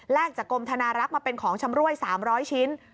จากกรมธนารักษ์มาเป็นของชำรวย๓๐๐ชิ้น